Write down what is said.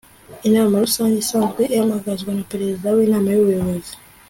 inama rusange isanzwe ihamagazwa na perezida w'inama y'ubuyobozi